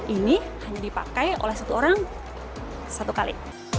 ini hanya dipakai oleh satu orang satu kali